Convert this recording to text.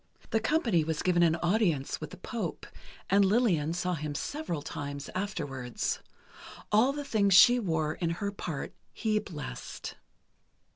The company was given an audience with the Pope, and Lillian saw him several times afterwards. All the things she wore in her part he blessed.